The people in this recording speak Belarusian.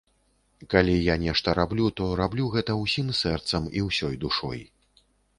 Калі я нешта раблю, то раблю гэта ўсім сэрцам і ўсёй душой.